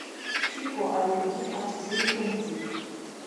Чико аҩынгьы аҽазеиқәымкӡеит.